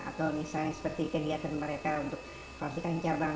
atau misalnya seperti kegiatan mereka untuk klasikan carbang